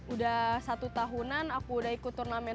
udah satu tahunan aku udah ikut turnamen